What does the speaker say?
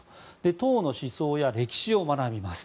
党の思想や歴史を学びます。